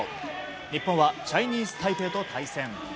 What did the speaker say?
日本はチャイニーズ・タイペイと対戦。